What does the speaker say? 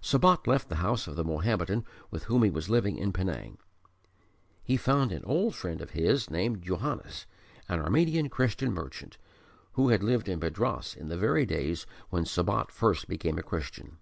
Sabat left the house of the Mohammedan with whom he was living in Penang. He found an old friend of his named Johannes, an Armenian Christian merchant, who had lived in Madras in the very days when Sabat first became a Christian.